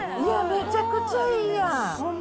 めちゃくちゃいいやん。